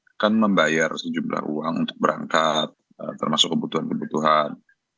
akan membayar sejumlah uang untuk berangkat termasuk kebutuhan kebutuhan